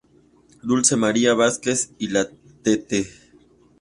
Dulce María Vásquez y la Tte.